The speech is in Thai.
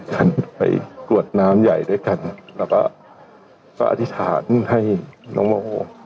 กันไปกรวดน้ำใหญ่ด้วยกันแล้วก็ก็อธิษฐานให้น้องโม